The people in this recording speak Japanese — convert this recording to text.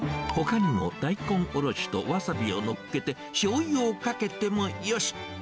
ほかにも大根おろしとワサビをのっけて、しょうゆをかけてもよし。